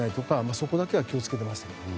そこだけは気を付けていました。